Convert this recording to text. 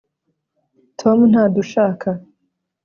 tom ntadushaka